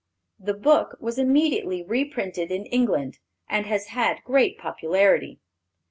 The book was immediately reprinted in England, and has had great popularity.